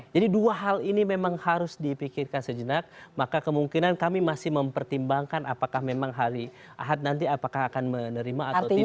jadi dua hal ini memang harus dipikirkan sejenak maka kemungkinan kami masih mempertimbangkan apakah memang ahad nanti akan menerima atau tidak hasil dari dprd